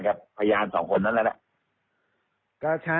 เพราะว่าตอนแรกมีการพูดถึงนิติกรคือฝ่ายกฎหมาย